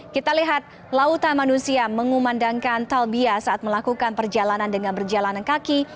kita lihat lautan manusia mengumandangkan talbia saat melakukan perjalanan dengan berjalan kaki